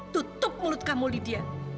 tutup mulut kamu lydia